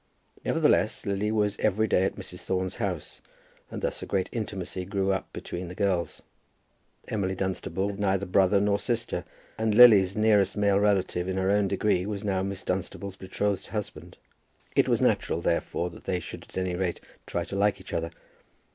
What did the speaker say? Nevertheless Lily was every day at Mrs. Thorne's house, and thus a great intimacy grew up between the girls. Emily Dunstable had neither brother nor sister, and Lily's nearest male relative in her own degree was now Miss Dunstable's betrothed husband. It was natural therefore that they should at any rate try to like each other.